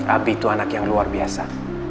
abi itu anak yang luar biasa